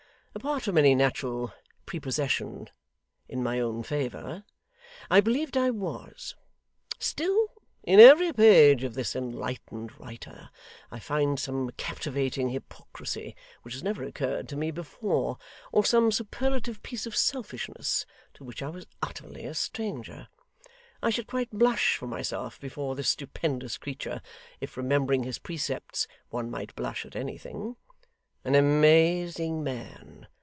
Apart from any natural prepossession in my own favour, I believed I was. Still, in every page of this enlightened writer, I find some captivating hypocrisy which has never occurred to me before, or some superlative piece of selfishness to which I was utterly a stranger. I should quite blush for myself before this stupendous creature, if remembering his precepts, one might blush at anything. An amazing man!